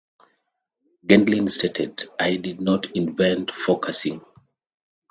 Gendlin stated: I did not invent Focusing.